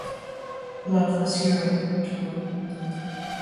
Loveless Europe Tour.